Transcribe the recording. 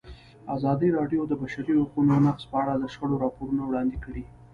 ازادي راډیو د د بشري حقونو نقض په اړه د شخړو راپورونه وړاندې کړي.